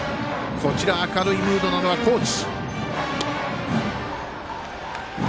明るいムードなのは高知。